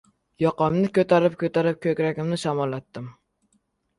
Yoqamni ko‘tarib- ko‘tarib, ko‘kragimni shamollatdim.